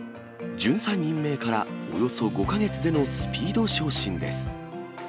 巡査任命からおよそ５か月でのスピード昇進です。